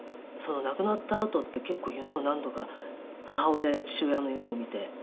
亡くなったあとって結構夢を何度か母親や父親の夢を見て。